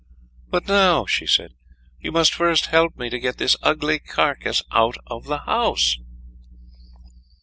"But now," she said, "you must first help me to get this ugly carcass out of the house."